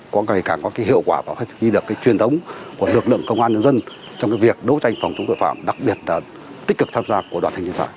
có ngày càng có hiệu quả và phát huy được truyền thống của lực lượng công an nhân dân trong việc đấu tranh phòng chống tội phạm đặc biệt là tích cực tham gia của đoàn thanh niên phạm